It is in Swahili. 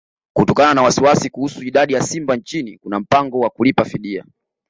Kutokana na wasiwasi kuhusu idadi ya simba nchini kuna mpango wa kulipa fidia